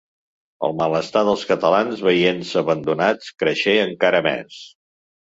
El malestar dels catalans veient-se abandonats creixé encara més.